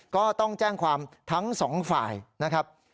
ก็ต้องแจ้งความทั้งสองฝ่ายนะครับ